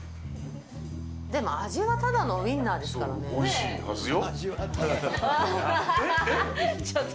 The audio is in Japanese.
でも味はただのウインナーですかおいしいはずよ。